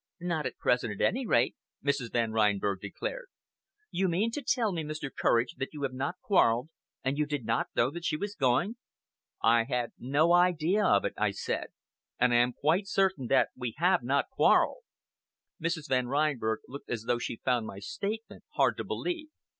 "Not at present, at any rate," Mrs. Van Reinberg declared. "You mean to tell me, Mr. Courage, that you have not quarrelled, and you did not know that she was going?" "I had no idea of it," I said, "and I am quite certain that we have not quarrelled." Mrs. Van Reinberg looked as though she found my statement hard to believe.